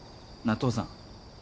父さん。